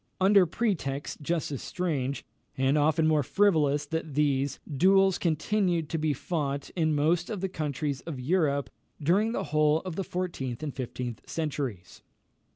Upon pretexts just as strange, and often more frivolous that these, duels continued to be fought in most of the countries of Europe during the whole of the fourteenth and fifteenth centuries.